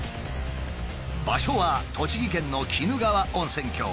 場所は栃木県の鬼怒川温泉郷。